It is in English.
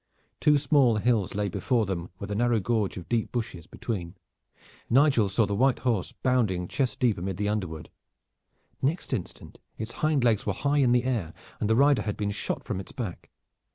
Two small hills lay before them with a narrow gorge of deep bushes between. Nigel saw the white horse bounding chest deep amid the underwood. Next instant its hind legs were high in the air, and the rider had been shot from its back.